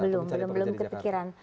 belum belum kepikiran